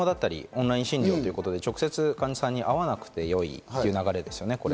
オンライン診療で直接、患者さんに会わなくていい流れですよね。